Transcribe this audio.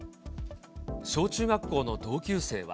小中学校の同級生は。